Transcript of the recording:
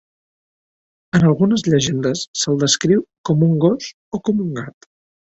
En algunes llegendes se'l descriu com un gos o com un gat.